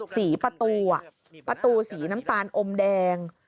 สีประตูประตูสีน้ำตาลอมแดง